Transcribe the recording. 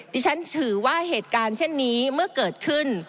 ดิฉันถือว่าเหตุการณ์เช่นนี้เมื่อเกิดขึ้น